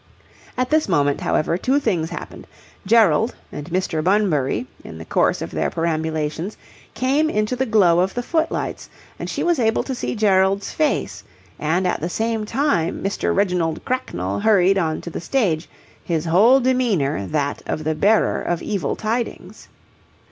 At this moment, however, two things happened. Gerald and Mr. Bunbury, in the course of their perambulations, came into the glow of the footlights, and she was able to see Gerald's face: and at the same time Mr. Reginald Cracknell hurried on to the stage, his whole demeanour that of the bearer of evil tidings.